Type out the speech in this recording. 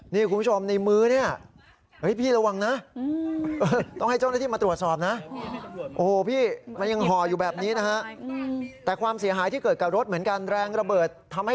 นี่คุณผู้ชมในมื้อนี้พี่ระวังนะต้องให้เจ้าหน้าที่มาตรวจสอบนะ